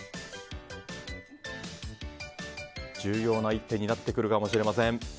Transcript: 重要な一手になってくるかもしれません。